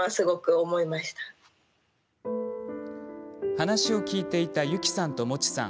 話を聞いていたゆきさんと、もちさん。